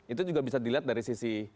itu juga bisa dilihat dari sisi